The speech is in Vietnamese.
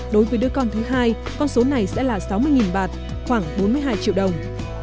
đối với đứa con thứ hai con số này sẽ là sáu mươi bạt khoảng bốn mươi hai triệu đồng